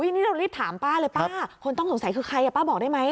นี่เรารีบถามป้าเลยป้าคนต้องสงสัยคือใครป้าบอกได้ไหม